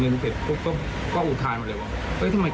กินไปอีกนึงเสร็จก็อุทานมาเลยว่า